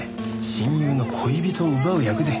親友の恋人を奪う役で。